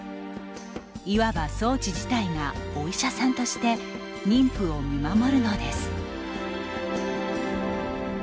いわば装置自体が、お医者さんとして妊婦を見守るのです。